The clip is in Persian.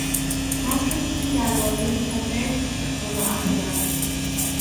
حرف "T" در واژهی "cattail" مضاعف شده است.